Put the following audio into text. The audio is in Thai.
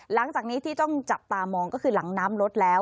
หลังจากนี้ที่ต้องจับตามองก็คือหลังน้ำลดแล้ว